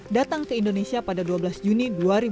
datang ke indonesia pada dua belas juni dua ribu dua puluh